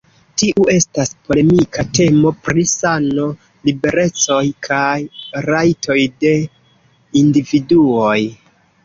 Tiu estas polemika temo pri sano, liberecoj kaj rajtoj de individuoj.